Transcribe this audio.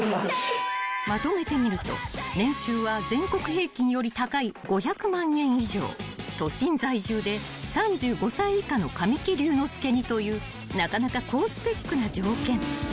［まとめてみると年収は全国平均より高い５００万円以上都心在住で３５歳以下の神木隆之介似というなかなか高スペックな条件］